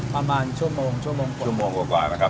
ประมาณชั่วโมงชั่วโมงกว่ากว่านะครับ